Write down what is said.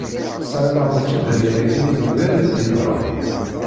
Ssarameɣ mačči d ayen akken i nuggad i d-yeḍran.